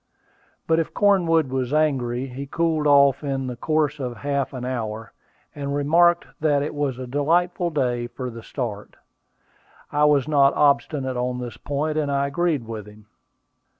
But if Cornwood was angry, he cooled off in the course of half an hour, and remarked that it was a delightful day for the start. I was not obstinate on this point, and I agreed with him.